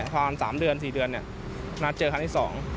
ผ่านสามเดือนสี่เดือนนัดเจอครั้งที่สอง